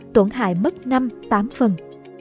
tổn hại mất năm tám phần